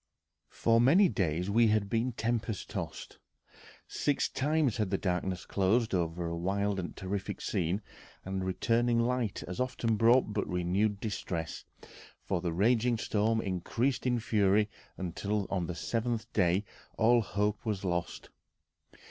For many days we had been tempest tossed. Six times had the darkness closed over a wild and terrific scene, and returning light as often brought but renewed distress, for the raging storm increased in fury until on the seventh day all hope was lost.